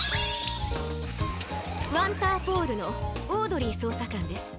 ワンターポールのオードリーそうさかんです。